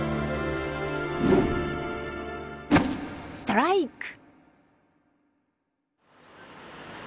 ストライク！